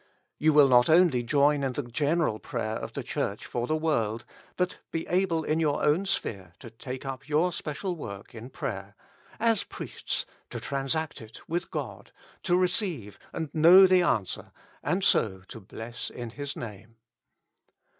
You will not only join in the general prayer of the Church for the world, but be able in your own sphere to take up your special work in prayer — as priests, to transact it with God, to receive and know the answer, and so to bless in His Name.